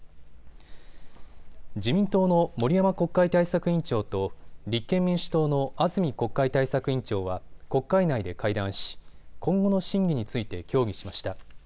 自民党の森山国会対策委員長と立憲民主党の安住国会対策委員長は国会内で会談し、今後の審議について協議しました。